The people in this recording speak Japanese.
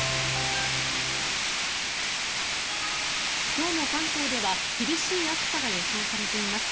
今日も関東では厳しい暑さが予想されています。